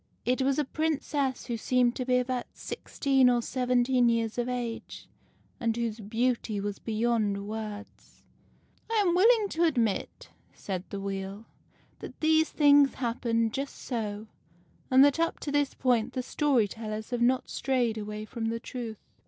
It was a Princess who seemed to be about sixteen or seventeen years of age, and whose beauty was beyond words. " I am willing to admit," said the Wheel, " that these things happened just so, and that up to this point the story tellers have not strayed away from the truth.